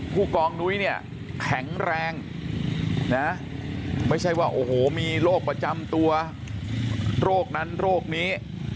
ผู้กองนุ้ยเนี่ยแข็งแรงนะไม่ใช่ว่าโอ้โหมีโรคประจำตัวโรคนั้นโรคนี้